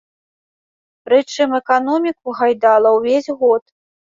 Прычым эканоміку гайдала ўвесь год.